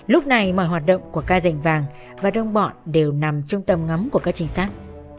lúc này mọi hoạt động của ca giành vàng và đông bọn đều nằm trong tầm ngắm của các trinh sát